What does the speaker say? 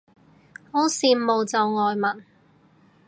好羨慕就外文